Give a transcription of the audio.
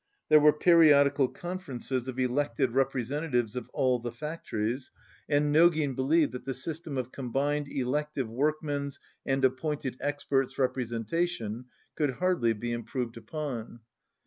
(See p. 171.) There were periodical conferences of elected representatives of all the factories, and 1 Streets and a district in Moscow. Nogin believed that the system of combined elective workmen's and appointed experts' repre sentation could hardly be improved upon.